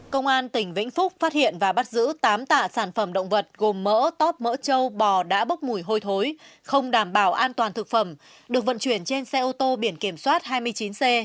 công an tỉnh vĩnh phúc phát hiện và bắt giữ tám tạ sản phẩm động vật gồm mỡ tóp mỡ trâu bò đã bốc mùi hôi thối không đảm bảo an toàn thực phẩm được vận chuyển trên xe ô tô biển kiểm soát hai mươi chín c ba mươi nghìn tám mươi